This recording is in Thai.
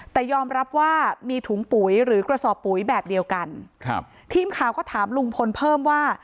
แต่ยอมรับว่ามีถุงปุ๋ยหรือกระสอบปุ๋ยแบบเดียวกันครับทีมข่าวก็ถามลุงพลเพิ่มว่า